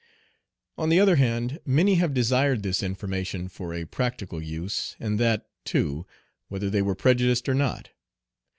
On the other hand, many have desired this information for a practical use, and that, too, whether they were prejudiced or not.